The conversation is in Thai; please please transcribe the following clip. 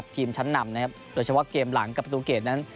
ทีมชั้นนำนะครับโดยเฉพาะเกมหลังกับประตูเกรดนั้น